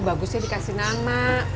bagusnya dikasih nama